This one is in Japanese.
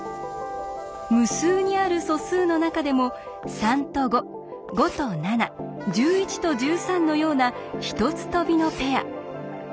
無数にある素数の中でも３と５５と７１１と１３のような１つ飛びのペア。